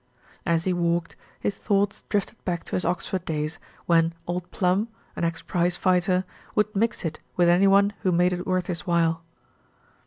As he walked, his thoughts drifted back to his Ox ford days when Old Plum, an ex prize fighter, would "mix it" with any one who made it worth his while.